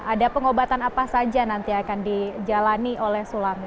ada pengobatan apa saja nanti akan dijalani oleh sulami